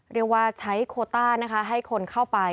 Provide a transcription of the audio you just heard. เรียกว่าใช้โคต้านะคะให้คนเข้าไป